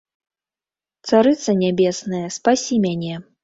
Царыца нябесная, спасі мяне!